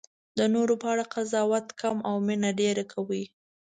د نورو په اړه قضاوت کم او مینه ډېره کوئ.